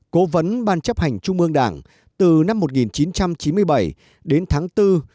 cố vấn ban chấp hành trung ương đảng từ năm một nghìn chín trăm chín mươi bảy đến tháng bốn